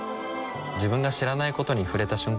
自分が知らないことに触れた瞬間